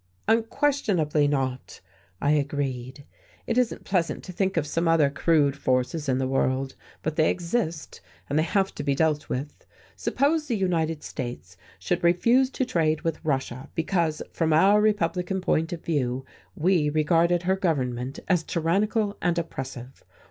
"Unquestionably not," I agreed. "It isn't pleasant to think of some other crude forces in the world. But they exist, and they have to be dealt with. Suppose the United States should refuse to trade with Russia because, from our republican point of view, we regarded her government as tyrannical and oppressive?